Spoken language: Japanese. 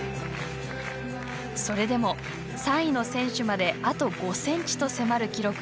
それでも３位の選手まであと５ｃｍと迫る記録で４位。